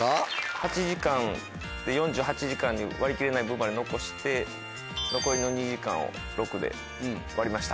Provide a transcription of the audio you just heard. ８時間４８時間で割り切れない部分を残して残りの２時間を６で割りました。